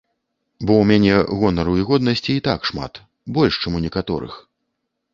Бо ў мяне гонару і годнасці і так шмат, больш, чым у некаторых.